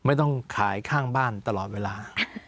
ไม่ต้องขายข้างบ้านตลอดเวลา